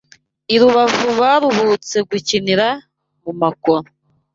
I Rubavu baruhutse gukinira mu makoro